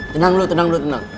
tenang dulu tenang dulu tenang